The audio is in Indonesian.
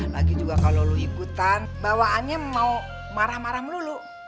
lagi juga kalau lu hibutan bawaannya mau marah marah melulu